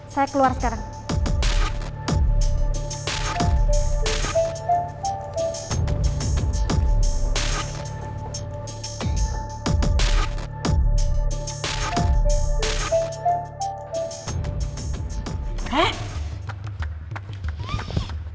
saya keluar sekarang